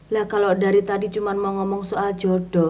nah kalau dari tadi cuma mau ngomong soal jodoh